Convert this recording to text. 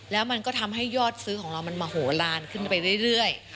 แล้วมันก็ทำให้ยอดซื้อของเรามันมโหลานขึ้นไปเรื่อย